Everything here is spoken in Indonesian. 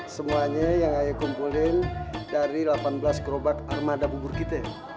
semuanya yang ayah kumpulin dari delapan belas gerobak armada bubur kita